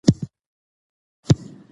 مدیر مخکې اصلاح کړې وه.